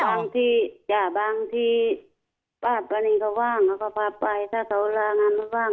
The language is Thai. บางทีจ้ะบางทีป้ากรณีเขาว่างเขาก็พาไปถ้าเขาลางานมาว่าง